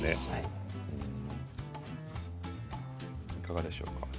いかがでしょうか。